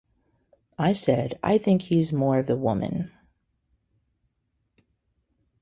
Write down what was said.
I said, 'I think he's more the woman.